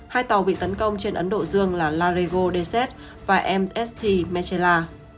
hai tàu bị tấn công trên ấn độ dương là larigo d z và mst mechela